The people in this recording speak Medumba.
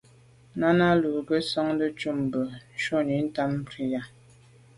Náná lù gə́ sɔ̀ŋdə̀ ncúp bû shúnì tâm prǐyà.